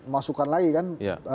masukan lagi kan